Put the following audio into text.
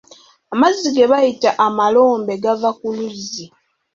Amazzi ge bayita amalombe gava ku luzzi.